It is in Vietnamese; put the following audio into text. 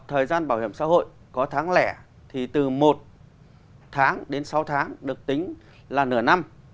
thời gian bảo hiểm xã hội có tháng lẻ thì từ một tháng đến sáu tháng được tính là nửa năm